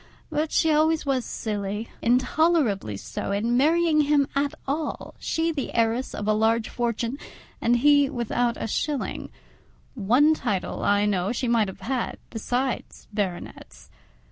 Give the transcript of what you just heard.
but she always was silly—intolerably so in marrying him at all, she the heiress of a large fortune and he without a shilling: one title, I know, she might have had, besides baronets.